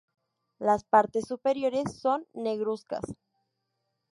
Las partes superiores son negruzcas.